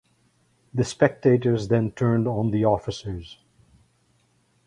The spectators then turned on the officers.